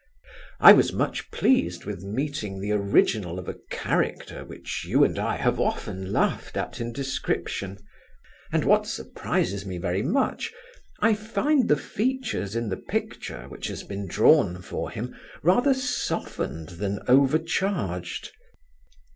I was much pleased with meeting the original of a character, which you and I have often laughed at in description; and what surprises me very much, I find the features in the picture, which has been drawn for him, rather softened than over charged.